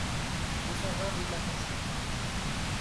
deux cent vingt rue de la Fassière